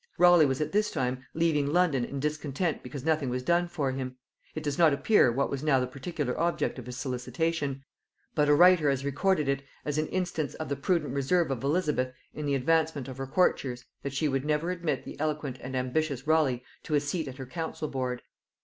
Raleigh was at this time leaving London in discontent because nothing was done for him; it does not appear what was now the particular object of his solicitation; but a writer has recorded it as an instance of the prudent reserve of Elizabeth in the advancement of her courtiers, that she would never admit the eloquent and ambitious Raleigh to a seat at her council board.